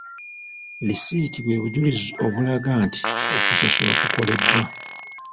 Lisiiti bwe bujulizi obulaga nti okusasula kukoleddwa.